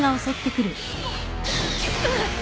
うっ！